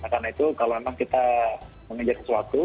karena itu kalau memang kita mengejar sesuatu